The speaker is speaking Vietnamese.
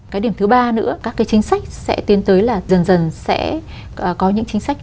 cái điểm thứ ba nữa các cái chính sách sẽ tiến tới là dần dần sẽ có những chính sách